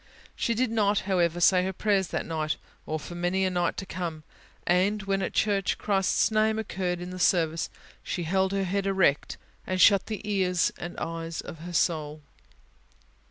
She did not, however, say her prayers that night, or for many a right to come; and when, at church, Christ's name occurred in the Service, she held her head erect, and shut the ears and eyes of her soul.